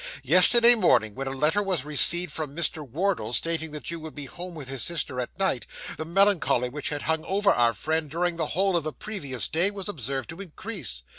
'Yesterday morning, when a letter was received from Mr. Wardle, stating that you would be home with his sister at night, the melancholy which had hung over our friend during the whole of the previous day, was observed to increase.